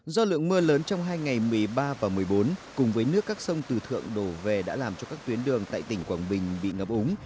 do lượng mưa lớn trong hai ngày một mươi ba và một mươi bốn cùng với nước các sông từ thượng đổ về đã làm cho các tuyến đường tại tỉnh quảng bình bị ngập úng